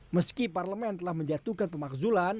meski parlemen telah menjatuhkan pemakzulan